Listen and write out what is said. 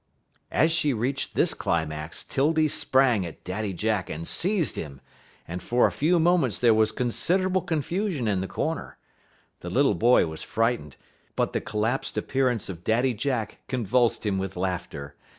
_'" As she reached this climax, 'Tildy sprang at Daddy Jack and seized him, and for a few moments there was considerable confusion in the corner. The little boy was frightened, but the collapsed appearance of Daddy Jack convulsed him with laughter.